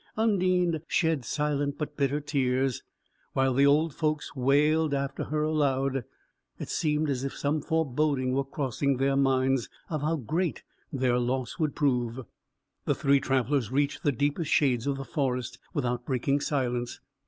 Undine shed silent but bitter tears, while the old folks wailed after her aloud. It seemed as if some foreboding were crossing their minds, of how great their loss would prove. The three travellers reached the deepest shades of the forest, without breaking silence.